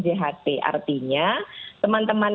jht artinya teman teman